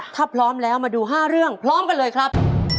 ถ้าพร้อมแล้วมาดู๕เรื่องพร้อมกันเลยครับ